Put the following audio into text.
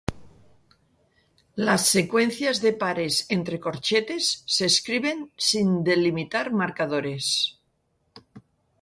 Las secuencias de pares entre corchetes se escriben sin delimitar marcadores.